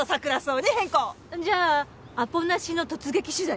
じゃあアポなしの突撃取材？